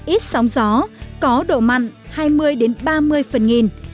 ít sóng gió có độ mặn hai mươi ba mươi phần nghìn